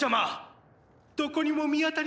どこにも見当たりません！